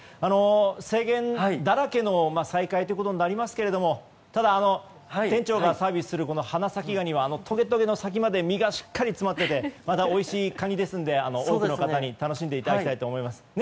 制限だらけの再開となりますがただ、店長がサービスするハナサキガニはトゲトゲの先まで身がしっかり詰まっていておいしいカニですので多くの人に味わってもらいたいですね。